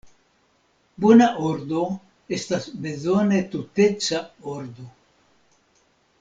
Bona ordo estas bezone tuteca ordo.